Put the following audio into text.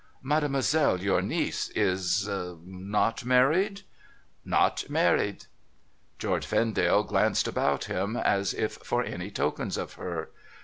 * Mademoiselle your niece — is — not married ?'' Not married.' George Vendale glanced about him, as if for any tokens of her.